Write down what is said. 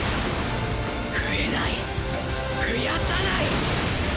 増えない増やさない